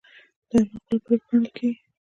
دا یوه معقوله پرېکړه ګڼل کیږي.